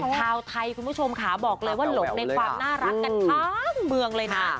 ชาวไทยคุณผู้ชมค่ะบอกเลยว่าหลงในความน่ารักกันทั้งเมืองเลยนะ